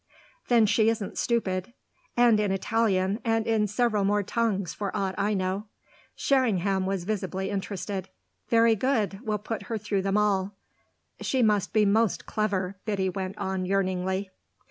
"Then she isn't stupid." "And in Italian, and in several more tongues, for aught I know." Sherringham was visibly interested. "Very good we'll put her through them all." "She must be most clever," Biddy went on yearningly.